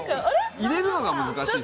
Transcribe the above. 入れるのが難しい。